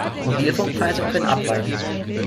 Mobilfunkpreise können abweichen.